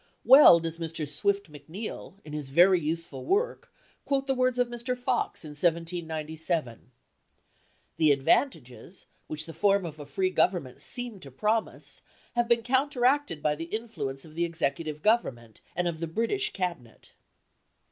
Well does Mr. Swift MacNeill, in his very useful work, quote the words of Mr. Fox in 1797: "The advantages, which the form of a free Government seemed to promise, have been counteracted by the influence of the Executive Government, and of the British Cabinet."